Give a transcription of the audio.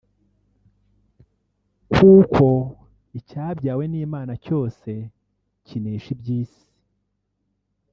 Kuko icyabyawe n’Imana cyose kinesha iby’isi